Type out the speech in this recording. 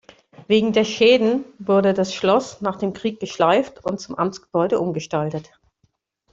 Wegen der Schäden wurde das Schloss nach dem Krieg geschleift und zum Amtsgebäude umgestaltet.